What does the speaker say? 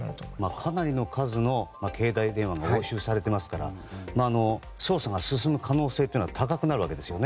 かなりの数の携帯電話が押収されていますから捜査が進む可能性というのは高くなるわけですよね。